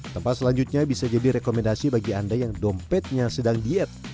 tempat selanjutnya bisa jadi rekomendasi bagi anda yang dompetnya sedang diet